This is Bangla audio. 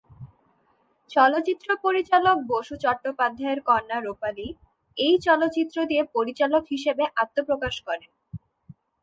চলচ্চিত্র পরিচালক বসু চট্টোপাধ্যায়ের কন্যা রূপালী, এই চলচ্চিত্র দিয়ে পরিচালক হিসেবে আত্মপ্রকাশ করেন।